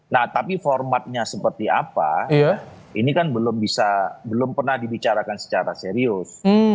nah tapi formatnya seperti apa ini kan belum bisa belum pernah dibicarakan secara serius